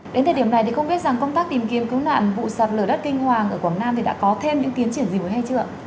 đến thời điểm này thì không biết rằng công tác tìm kiếm cứu nạn vụ sạt lở đất kinh hoàng ở quảng nam thì đã có thêm những tiến triển gì mới hay chưa ạ